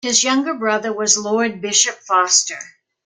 His younger brother was Lord Bishop Foster.